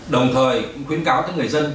đồng thời cũng khuyến cáo tới người dân